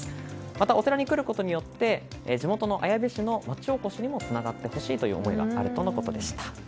また、お寺に来ることによって地元の綾部市の町おこしにもつながってほしいという思いもあるとのことでした。